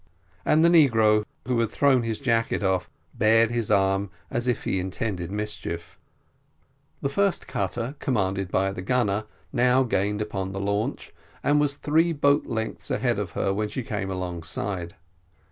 And the negro, who had thrown his jacket off, bared his arm, as if he intended mischief. The first cutter, commanded by the gunner, now gained upon the launch, and was three boats' lengths ahead of her when she came alongside.